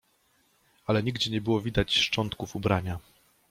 Ale nigdzie nie było widać szczątków ubrania.